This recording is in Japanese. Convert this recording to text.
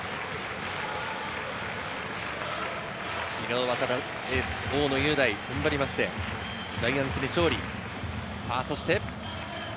昨日はただ大野雄大、踏ん張りましてジャイアンツに勝利。